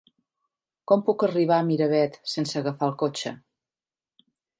Com puc arribar a Miravet sense agafar el cotxe?